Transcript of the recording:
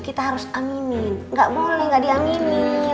kita harus aminin gak boleh gak diaminin